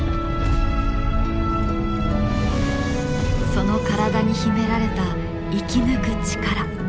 その体に秘められた生き抜く力。